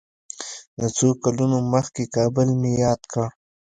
د څو کلونو مخکې کابل مې یاد کړ.